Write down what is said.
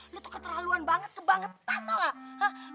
lu tuh keterlaluan banget kebangetan tau gak